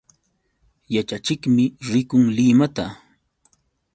Yaćhachiqmi rikun Limata.